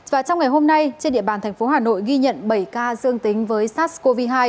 và trong ngày hôm nay trên địa bàn thành phố hà nội ghi nhận bảy ca dương tính với sars cov hai